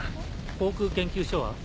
航空研究所は？